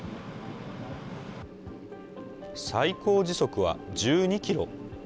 最高時速は１２キロ。